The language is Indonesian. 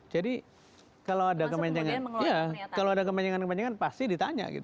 jadi kalau ada kemenjangan pasti ditanya